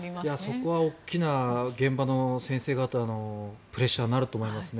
そこは現場の先生方のプレッシャーになると思いますね。